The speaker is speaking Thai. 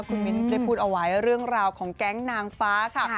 คุณมิ้นได้พูดเอาไว้เรื่องราวของแก๊งนางฟ้าค่ะ